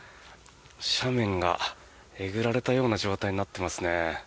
斜面がえぐられたような状態になっていますね。